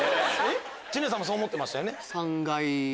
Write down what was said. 知念さんもそう思ってましたね？